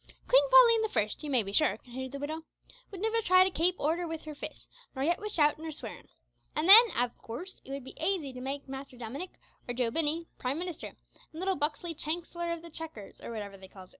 "Queen Pauline the First, ye may be sure," continued the widow, "would nivver try to kape order wid her fists, nor yit wid shoutin' or swearin'. An' then, av coorse, it would be aisy to make Mister Duminick or Joe Binney Prime Minister, an' little Buxley Chancler o' the Checkers, or whatever they calls it.